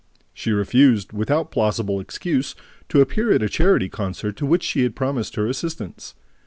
She refused, without plausible excuse, to appear at a charity concert to which she had promised her assistance.